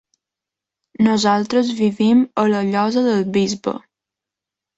Nosaltres vivim a la Llosa del Bisbe.